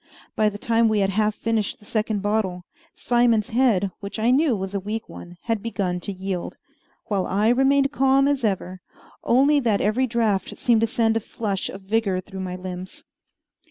By the time we had half finished the second bottle, Simon's head, which I knew was a weak one, had begun to yield, while I remained calm as ever, only that every draught seemed to send a flush of vigor through my limbs.